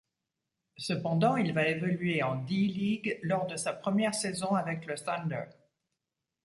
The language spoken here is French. Cependant, il va évoluer en D-League lors de sa première saison avec le Thunder.